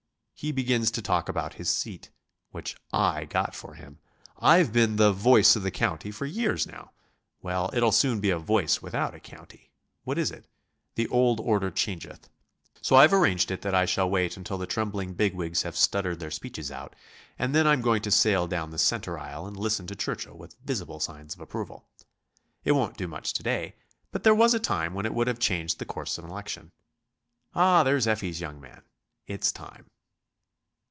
He begins to talk about his seat which I got for him. I've been the 'voice of the county' for years now. Well, it'll soon be a voice without a county.... What is it? 'The old order changeth.' So, I've arranged it that I shall wait until the trembling big wigs have stuttered their speeches out, and then I'm going to sail down the centre aisle and listen to Churchill with visible signs of approval. It won't do much to day, but there was a time when it would have changed the course of an election.... Ah, there's Effie's young man. It's time."